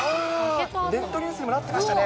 ネットニュースにもなってましたよね。